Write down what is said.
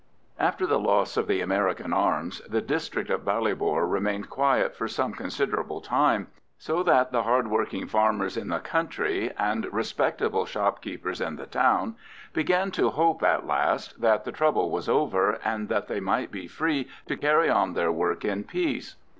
After the loss of the American arms the district of Ballybor remained quiet for some considerable time, so that the hard working farmers in the country and respectable shopkeepers in the town began to hope at last that the trouble was over, and that they might be free to carry on their work in peace.